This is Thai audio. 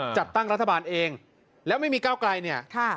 จัดตั้งรัฐบาลเองแล้วไม่มีเก้าไกล